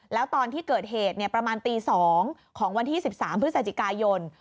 แล้วตอนที่เกิดเหตุประมาณตี๒ของวันที่๑๓พฤศจิกายน